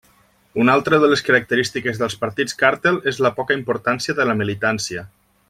Una altra de les característiques dels partits càrtel és la poca importància de la militància.